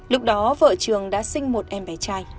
lúc đó vợ trường đã sinh một em bé